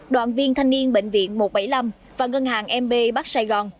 đoàn viên thanh niên bệnh viện một trăm bảy mươi năm và ngân hàng mb bắc sài gòn